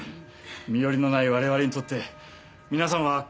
身寄りのない我々にとって皆さんは家族同然。